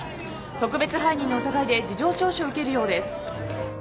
特別背任の疑いで事情聴取を受けるようです。